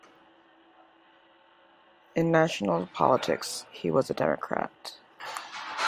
In national politics, he was a Democrat.